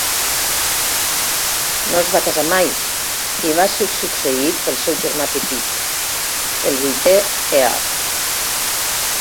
No es va casar mai i va ser succeït pel seu germà petit, el vuitè Earl.